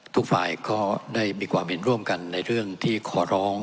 ทุกฝ่ายก็ได้มีความเห็นร่วมกันในเรื่องที่ขอร้อง